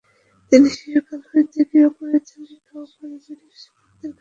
তিনি শিশুকাল হতে গৃহপরিচারিকা ও পারিবারিক সেবকদের কাছে মানুষ হয়েছেন।